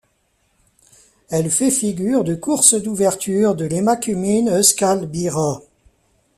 Elle fait figure de course d'ouverture de l'Emakumeen Euskal Bira.